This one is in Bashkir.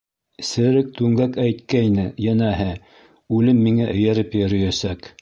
— Серек Түңгәк әйткәйне, йәнәһе, үлем миңә эйәреп йөрөйәсәк.